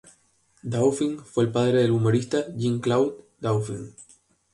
Dauphin fue el padre del humorista Jean-Claude Dauphin.